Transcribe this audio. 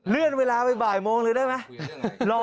เลื่อนเวลาไปบ่ายโมงเลยได้ไหม